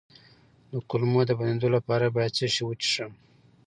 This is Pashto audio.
د کولمو د بندیدو لپاره باید څه شی وڅښم؟